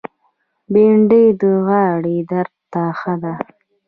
بېنډۍ د غاړې درد ته ښه ده